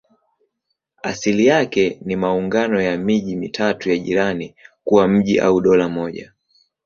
Asili yake ni maungano ya miji mitatu ya jirani kuwa mji au dola moja.